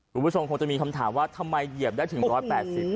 สูงส่งส่งคงจะมีคำถามว่าทำไมเหยียบได้ถึงด้อแปดสิบ